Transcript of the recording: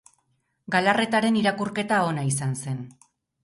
Galarretaren irakurketa ona izan zen.